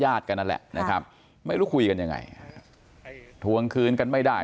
กันนั่นแหละนะครับไม่รู้คุยกันยังไงทวงคืนกันไม่ได้